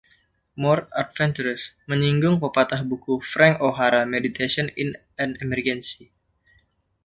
"More Adventurous" menyinggung pepatah buku Frank O'Hara Meditations in an Emergency.